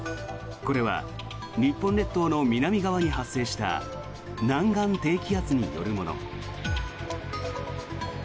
これは日本列島の南側に発生した南岸低気圧によるもの。